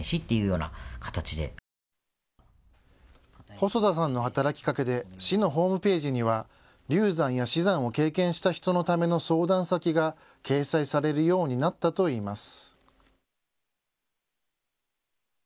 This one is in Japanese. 細田さんの働きかけで市のホームページには流産や死産を経験した人のための相談先が掲載されるようになったといいます。